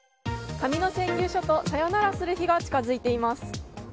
紙の請求書とさよならする日が近づいています。